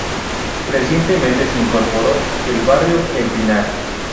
Recientemente se incorporó el barrio El Pinar.